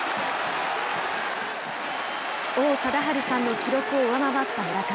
王貞治さんの記録を上回った村上。